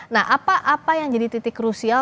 nah apa yang jadi titik krusial